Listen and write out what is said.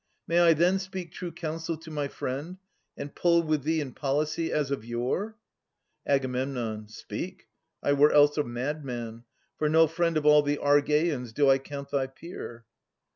May I then speak true counsel to my friend, And pull with thee in policy as of yore ? Ag. Speak. I were else a madman ; for no friend Of all the Argeians do I count thy peer.